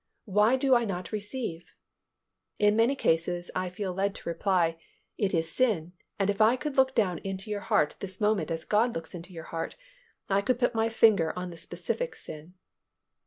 Why do I not receive?" In many such cases, I feel led to reply, "It is sin, and if I could look down into your heart this moment as God looks into your heart, I could put my finger on the specific sin."